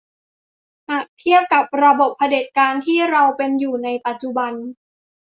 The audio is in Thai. หากเทียบกับระบบเผด็จการที่เราเป็นอยู่ในปัจจุบัน